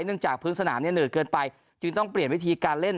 จากพื้นสนามเนี่ยเหนื่อยเกินไปจึงต้องเปลี่ยนวิธีการเล่น